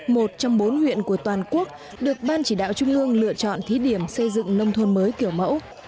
một trong bốn huyện của toàn quốc được ban chỉ đạo trung ương lựa chọn thí điểm xây dựng nông thôn mới kiểu mẫu